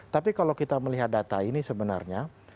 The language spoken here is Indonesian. tapi kalau kita melihat data ini sebenarnya